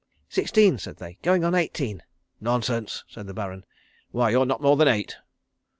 "Sixteen," said they. "Going on eighteen." "Nonsense," said the Baron. "Why you're not more than eight."